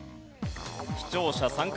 視聴者参加